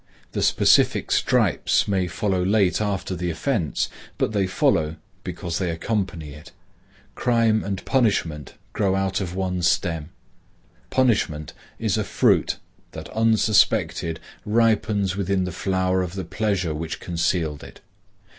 The specific stripes may follow late after the offence, but they follow because they accompany it. Crime and punishment grow out of one stem. Punishment is a fruit that unsuspected ripens within the flower of the pleasure which concealed it.